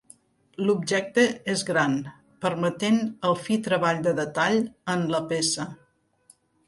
L'objecte és gran, permetent el fi treball de detall en la peça.